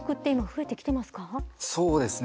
そうですね。